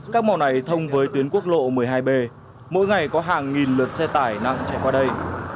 các màu này thông với tuyến quốc lộ một mươi hai b mỗi ngày có hàng nghìn lượt xe tải nặng chạy qua đây